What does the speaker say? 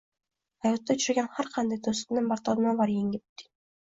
hayotda uchragan har qanday to‘siqni mardonavor yengib o‘ting!